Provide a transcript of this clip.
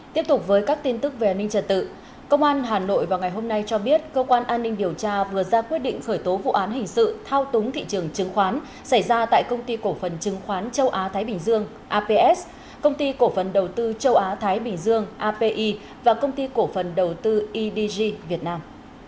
tiếp tục với các tin tức về an ninh trật tự công an hà nội vào ngày hôm nay cho biết cơ quan an ninh điều tra vừa ra quyết định khởi tố vụ án hình sự thao túng thị trường chứng khoán xảy ra tại công ty cổ phần chứng khoán châu á thái bình dương aps công ty cổ phần đầu tư châu á thái bình dương api và công ty cổ phần đầu tư edg việt nam